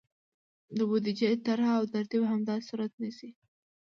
د بودیجې طرحه او ترتیب همداسې صورت نیسي.